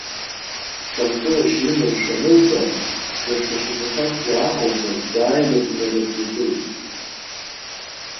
Ҽынкылашьа имамшәа анылба, даҽа шьаҿақәакгьы ааҟалҵан, дааины днаарыбжьагылеит.